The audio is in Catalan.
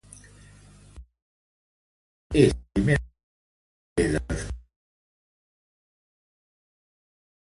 És considerat com la primera pedra de les aplicacions pràctiques de la intel·ligència artificial.